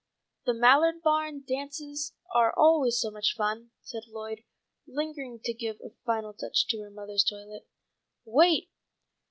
"The Mallard barn dances are always so much fun," said Lloyd, lingering to give a final touch to her mother's toilet. "Wait!